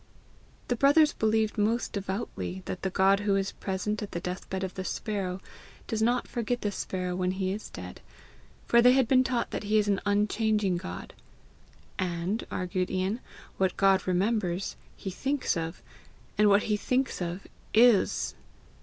The brothers believed most devoutly that the God who is present at the death bed of the sparrow does not forget the sparrow when he is dead; for they had been taught that he is an unchanging God; "and," argued Ian, "what God remembers, he thinks of, and what he thinks of, IS."